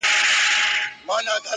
او ژوند پکي کمزوری احساس کيږي